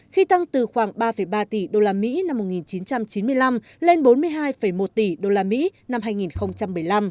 khi tăng từ khoảng ba ba tỷ usd năm một nghìn chín trăm chín mươi năm lên bốn mươi hai một tỷ usd năm hai nghìn một mươi năm